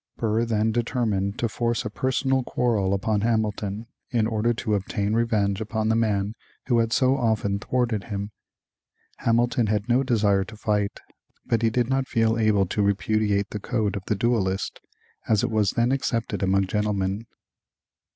Burr then determined to force a personal quarrel upon Hamilton in order to obtain revenge upon the man who had so often thwarted him. Hamilton had no desire to fight, but he did not feel able to repudiate the code of the duelist as it was then accepted among gentlemen.